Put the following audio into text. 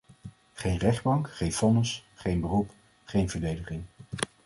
Geen rechtbank, geen vonnis, geen beroep, geen verdediging.